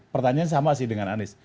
pertanyaan sama sih dengan anies